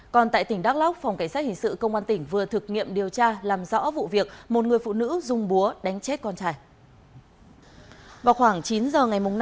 còn tại tỉnh đắk lóc phòng cảnh sát hình sự công an tỉnh vừa thực nghiệm điều tra làm rõ vụ việc một người phụ nữ dùng búa đánh chết con trai